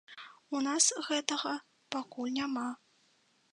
У нас гэтага пакуль няма.